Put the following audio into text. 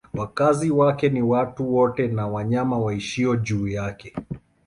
Wakazi wake ni watu wote na wanyama waishio juu yake.